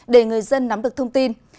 để người dân nắm được thông tin